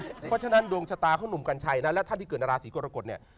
เพราะฉะนั้นดวงชะตาของหนุ่มกัญชัยนะและท่านที่เกิดในราศีกรกฎเนี่ย